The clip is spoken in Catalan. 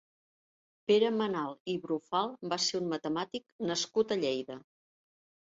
Pere Menal i Brufal va ser un matemàtic nascut a Lleida.